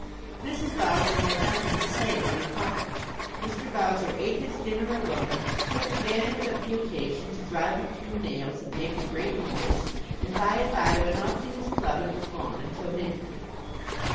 Mrs. Bowser had nothing to say in reply. Mr. Bowser ate his dinner alone, took advantage of the occasion to drive a few nails and make a great noise, and by and by went off to his club and was gone until midnight.